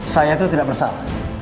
saya itu tidak bersalah